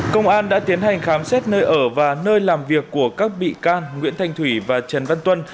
công an đã tiến hành khám xét nơi ở và nơi làm việc của các bị can nguyễn thanh thủy và trần văn tuân